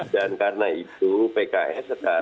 dan karena itu pks sekarang